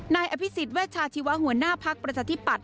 นายอภิษฎเวชาชีวะหัวหน้าภักดิ์ประชาธิปัตย